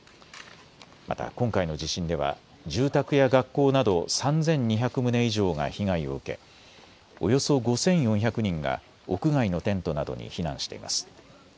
また今回の地震では住宅や学校など３２００棟以上が被害を受けおよそ５４００人が屋外のテントなどに避難しています。